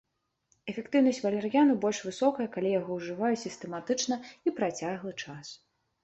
Эфектыўнасць валяр'яну больш высокая, калі яго ўжываюць сістэматычна і працяглы час.